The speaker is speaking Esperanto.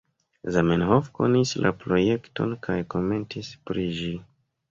Zamenhof konis la projekton kaj komentis pri ĝi.